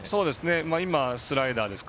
今、スライダーですか。